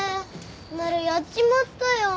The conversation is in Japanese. なるやっちまったよ。